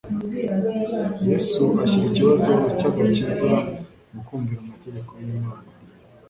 Yesu ashyira ikibazo cy'agakiza mu kumvira amategeko y'Imana.